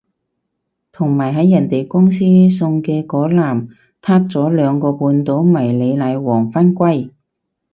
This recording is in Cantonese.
同埋喺人哋公司送嘅嗰籃撻咗兩個半島迷你奶黃返歸